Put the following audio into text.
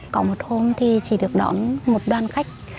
có một hôm thì chỉ được đón một đoàn khách